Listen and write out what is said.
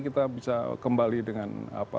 kita bisa kembali dengan